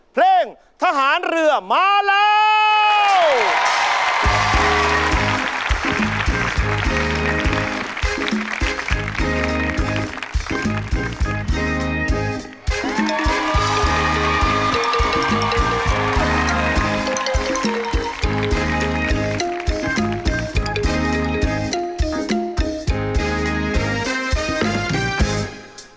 เพลงทหารเรือมาแล้ว